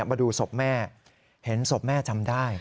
มาดูศพแม่เห็นศพแม่จำได้